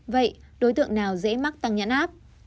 vậy đối tượng nào dễ mắc tăng nhãn áp